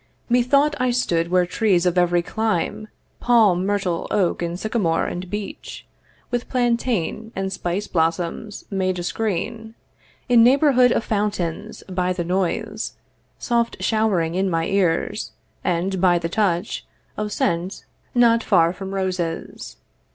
Methought I stood where trees of every clime, Palm, myrtle, oak, and sycamore, and beech, With plantain, and spice blossoms, made a screen; In neighbourhood of fountains, by the noise Soft showering in my ears, and, by the touch Of scent, not far from roses.